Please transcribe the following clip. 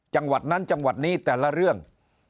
จังหวัดนั้นจังหวัดนี้แต่ละเรื่อง